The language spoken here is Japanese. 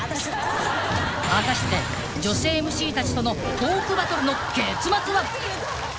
［果たして女性ＭＣたちとのトークバトルの結末は］